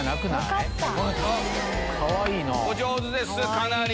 お上手ですかなり。